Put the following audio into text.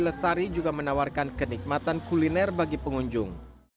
lestari juga menawarkan kenikmatan kuliner bagi pengunjung